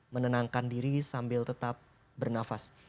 menenangkan diri sambil tetap bernafas